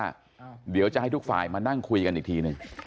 เดี๋ยวจะให้ทุกฝ่ายมานั่งคุยกันอีกทีหนึ่ง